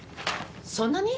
そんなに？